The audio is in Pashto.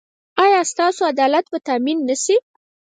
ایا ستاسو عدالت به تامین نه شي؟